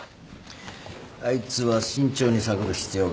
あいつは慎重に探る必要がある。